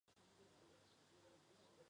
清河道署的历史年代为清代。